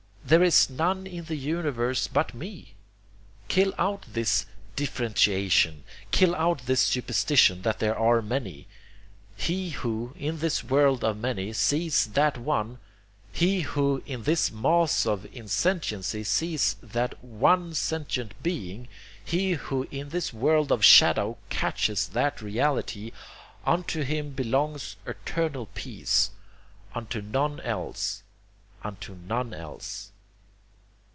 There is none in the universe but me. ... Kill out this differentiation; kill out this superstition that there are many. 'He who, in this world of many, sees that One; he who in this mass of insentiency sees that One Sentient Being; he who in this world of shadow catches that Reality, unto him belongs eternal peace, unto none else, unto none else.'"